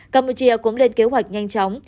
campuchia cũng lên kế hoạch nhanh chóng